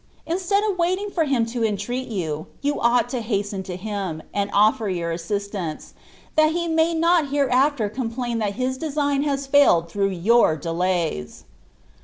Instead of waiting for him to entreat yOQ. you ought to haxten to him. and offer your assistance, that he may Hot iiereafler complain that his design has failed through your delays."